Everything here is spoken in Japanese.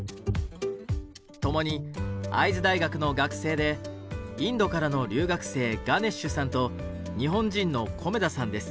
共に会津大学の学生でインドからの留学生ガネッシュさんと日本人の米田さんです。